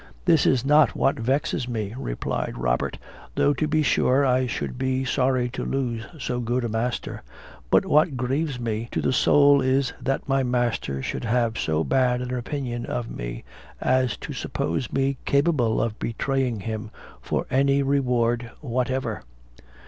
"That is not what vexes me," replied Robert, "though to be sure I should be sorry to lose so good a master; but what grieves me to the soul, is, that my master should have so bad an opinion of me, as to suppose me capable of betraying him for any reward whatever."